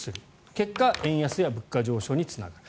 結果円安や物価上昇につながる。